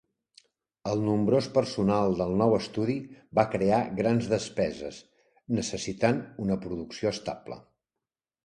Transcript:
El nombrós personal del nou estudi va crear grans despeses, necessitant una producció estable.